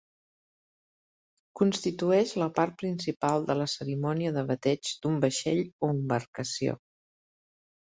Constitueix la part principal de la cerimònia de bateig d'un vaixell o embarcació.